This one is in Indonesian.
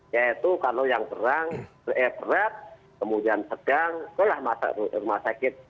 yaitu kalau yang terang berat kemudian sedang itulah rumah sakit